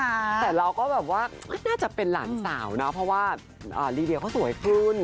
แต่เราก็แบบว่าน่าจะเป็นหลานสาวเนาะเพราะว่าลีเดียเขาสวยขึ้น